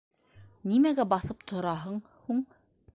— Нимәгә баҫып тораһың һуң?